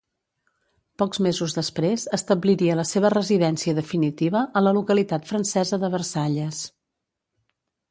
Pocs mesos després establiria la seva residència definitiva a la localitat francesa de Versalles.